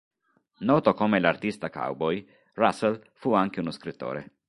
Noto come 'l'artista cowboy', Russell fu anche uno scrittore.